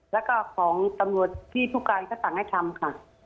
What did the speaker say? แล้วก็ของตำรวจที่ผู้การก็สั่งให้ทำค่ะ